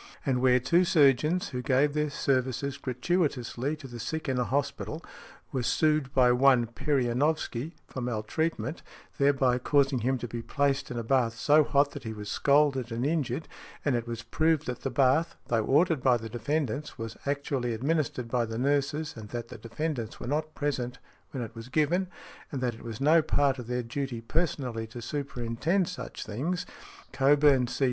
And where two surgeons, who gave their services gratuitously to the sick in a hospital, were sued by one Perionowsky, for maltreatment there by causing him to be placed in a bath so hot that he was scalded and injured, and it was proved that the bath, though ordered by the defendants, was actually administered by the nurses, and that the defendants were not present when it was given, and that it was no part of their duty personally to superintend such things. Cockburn, C.